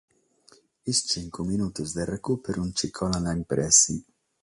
Sos chimbe minutos de recùperu nche colant in presse.